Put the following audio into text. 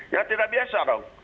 ya tidak biasa dong